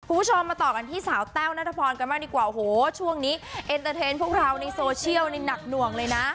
ผู้ชมมาต่อกันที่สาวแต้วนัทพรกันมาดีกว่าโหช่วงนี้พวกเราในโซเชียลนี่หนักหน่วงเลยนะ